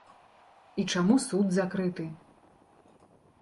І чаму суд закрыты?